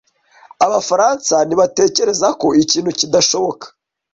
Abafaransa ntibatekereza ko ikintu kidashoboka.